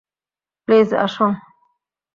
Please, আসুন।